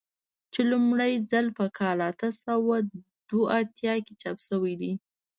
چې لومړی ځل په کال اته سوه دوه اویا کې چاپ شوی دی.